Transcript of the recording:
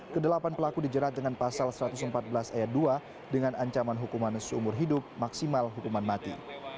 kedelapan pelaku dijerat dengan pasal satu ratus empat belas ayat dua dengan ancaman hukuman seumur hidup maksimal hukuman mati